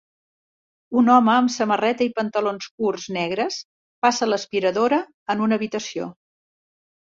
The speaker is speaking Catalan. Un home amb samarreta i pantalons curts negres passa l'aspiradora en una habitació